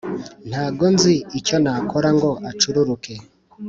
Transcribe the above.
ntago nzi icyo nakora ngo ucururuke